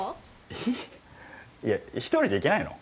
一人で行けないの？